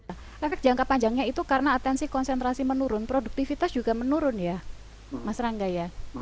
efek jangka panjangnya itu karena atensi konsentrasi menurun produktivitas juga menurun ya mas rangga ya